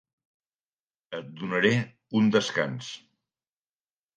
Et donaré un descans.